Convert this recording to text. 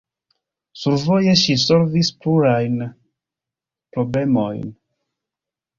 Survoje ŝi solvis plurajn problemojn.